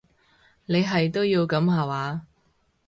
你係都要噉下話？